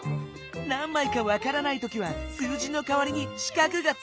何まいかわからないときは数字のかわりに四角がつかえるよ！